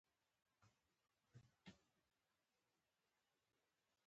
او نړۍ ورسره ښکلې ده.